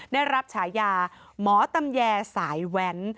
ได้รับฉายาหมอตำแยสายแว้น